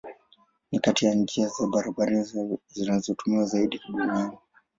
Ni kati ya njia za bahari zinazotumiwa zaidi duniani.